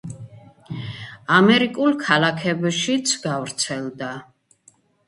ამერიკულ ქალაქებშიც გავრცელდა